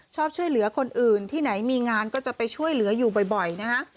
ชอบช่วยเหลือคนอื่นที่ไหนมีงานก็จะไปช่วยเหลืออยู่บ่อยนะฮะ